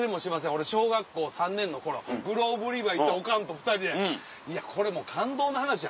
俺小学校３年の頃グローブ売り場行ってオカンと２人でいやこれもう感動の話や。